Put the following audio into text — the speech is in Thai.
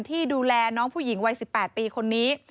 ที่ดูแลน้องผู้หญิงวัย๑๘ปีคนนี้